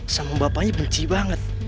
sama bapaknya benci banget